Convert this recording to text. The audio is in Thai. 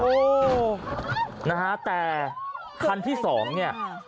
โอ้นะฮะแต่คันที่๒นี่